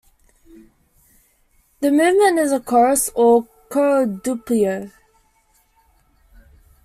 The movement is a chorus, or "coro doppio".